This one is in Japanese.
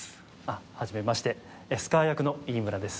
はじめましてスカー役の飯村です